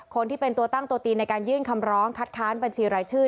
คนที่เป็นตัวตั้งตัวตีในการยื่นคำร้องคัดค้านบัญชีรายชื่อ